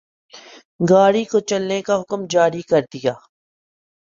گاڑی کو چلنے کا حکم جاری کر دیا